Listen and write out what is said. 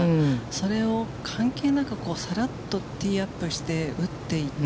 それを関係なく、さらっとティーアップして打っていった。